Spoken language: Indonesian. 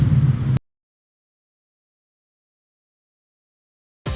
salah satu pani musuh yang kita hasilkan pada soal memhere better than jagung